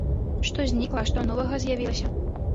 Што знікла, а што новага з'явілася?